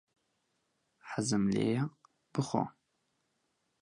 حەزم لێیە بخۆم.